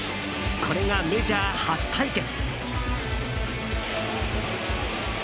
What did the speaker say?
これがメジャー初対決！